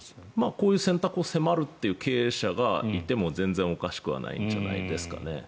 こういう選択を迫るという経営者が全然おかしくはないんじゃないですかね。